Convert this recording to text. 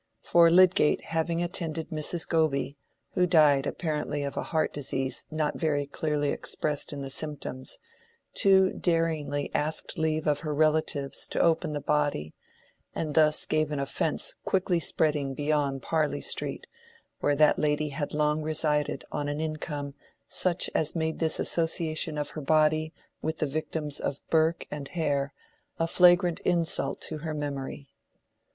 For Lydgate having attended Mrs. Goby, who died apparently of a heart disease not very clearly expressed in the symptoms, too daringly asked leave of her relatives to open the body, and thus gave an offence quickly spreading beyond Parley Street, where that lady had long resided on an income such as made this association of her body with the victims of Burke and Hare a flagrant insult to her memory.